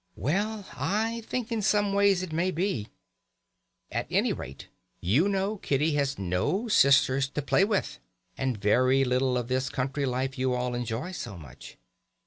"Well, I think in some ways it may be. At any rate you know Kitty has no sisters to play with, and very little of this country life you all enjoy so much.